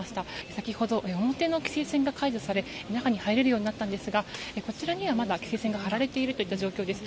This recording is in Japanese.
先ほど、表の規制線が解除され中に入れるようになったんですがこちらにはまだ規制線が張られている状況です。